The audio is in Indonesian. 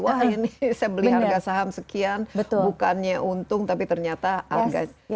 wah ini saya beli harga saham sekian bukannya untung tapi ternyata harganya